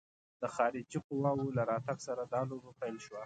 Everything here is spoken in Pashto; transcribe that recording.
د خارجي قواوو له راتګ سره دا لوبه پیل شوه.